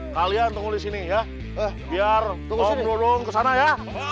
kalian tunggu di sini ya biar tunggu tunggu kesana ya